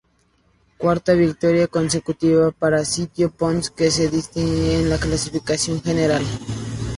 Cuarta victoria consecutiva para Sito Pons, que se distancia en la clasificación general.